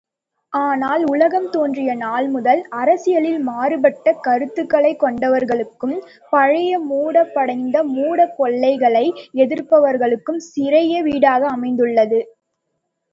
ஆனால் உலகம் தோன்றிய நாள்முதல், அரசியலில் மாறுபட்ட கருத்துக்கொண்டவர்களுக்கும் பழையமூப்படைந்த மூடக் கொள்கைகளை எதிர்பவர்களுக்கும் சிறையே வீடாக அமைந்துள்ளது.